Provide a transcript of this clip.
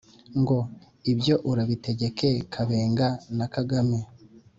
ngo : ibyo urabitegeke kabenga na kagame